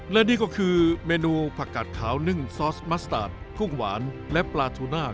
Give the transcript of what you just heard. และนี่ก็คือเมนูผักกัดขาวนึ่งซอสมัสตาร์ทกุ้งหวานและปลาทูน่า